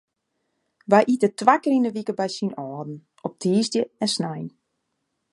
Wy ite twa kear yn de wike by syn âlden, op tiisdei en snein.